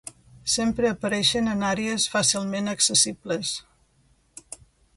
Sempre apareixen en àrees fàcilment accessibles.